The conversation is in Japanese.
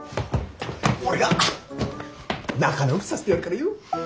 俺が仲直りさせてやるからよ。